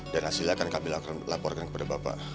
dan hasilnya akan kami laporkan kepada bapak